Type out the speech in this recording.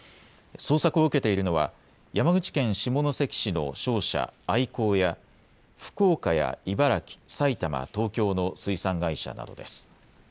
捜索を受けているのは山口県下関市の商社、アイコーや福岡や茨城、埼玉、東京の水産会社などです。